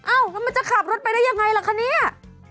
แล้วมันจะขับรถไปได้ยังไงล่ะคะเนี่ย